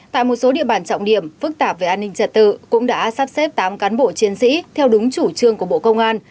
tại một số địa bàn trọng điểm phức tạp về an ninh trật tự cũng đã sắp xếp tám cán bộ chiến sĩ theo đúng chủ trương của bộ công an